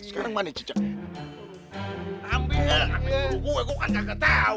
sekarang mana cicaknya